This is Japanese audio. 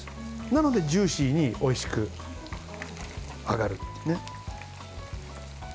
なので、ジューシーにおいしく揚がる。